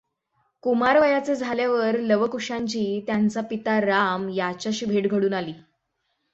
कुमारवयाचे झाल्यावर लव कुशांची त्यांचा पिता राम याच्याशी भेट घडून आली.